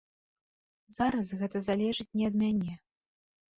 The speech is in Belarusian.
Зараз гэта залежыць не ад мяне.